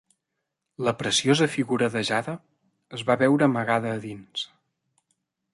La preciosa figura de jade es va veure amagada a dins.